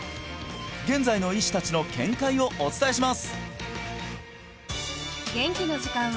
現在の医師達の見解をお伝えします